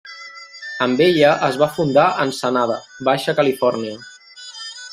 Amb ella es va fundar Ensenada, Baixa Califòrnia.